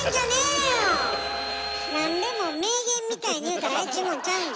何でも名言みたいに言うたらええっちゅうもんちゃうねん。